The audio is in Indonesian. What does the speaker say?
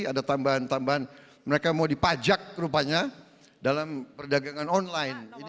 ada tambahan tambahan mereka mau dipajak rupanya dalam perdagangan online